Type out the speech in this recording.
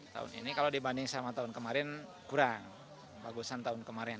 tahun ini kalau dibanding sama tahun kemarin kurang bagusan tahun kemarin